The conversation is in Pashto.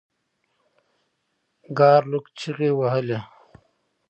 ګارلوک چیغې وهلې.